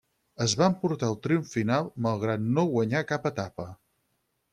Es va emportar el triomf final, malgrat no guanyar cap etapa.